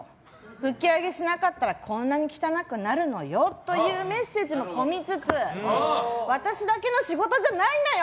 拭き上げしなかったらこんなに汚くなるのよというメッセージも込めつつ私だけの仕事じゃないんだよ